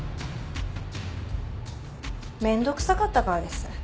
面倒くさかったからです。